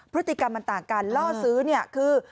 พฤติกรรมมันต่างกันล่อซื้อเนี่ยคือ